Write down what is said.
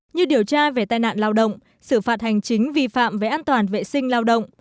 như điều tra về tai nạn lao động xử phạt hành chính vi phạm về an toàn vệ sinh lao động